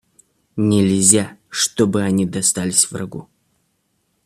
Нельзя, чтобы они достались врагу.